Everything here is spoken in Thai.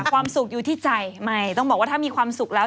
ความสุขอยู่ที่ใจไม่ต้องบอกว่าถ้ามีความสุขแล้ว